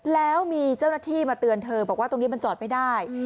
แล้วมีเจ้าหน้าที่มาเตือนเธอบอกว่าตรงนี้มันจอดไม่ได้